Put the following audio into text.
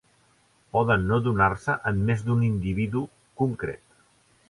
Poden no donar-se en més d'un individu concret.